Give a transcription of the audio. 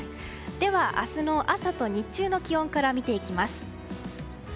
では、明日の朝と日中の気温から見ていきます。